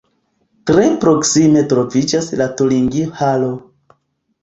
Tre proksime troviĝas la Turingio-halo.